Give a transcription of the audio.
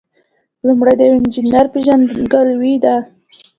لومړی د یو انجینر پیژندګلوي ده.